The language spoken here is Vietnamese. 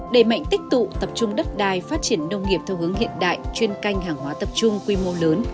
đẩy mạnh tích tụ tập trung đất đai phát triển nông nghiệp theo hướng hiện đại chuyên canh hàng hóa tập trung quy mô lớn